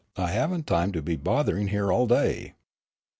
I haven't time to be bothering here all day."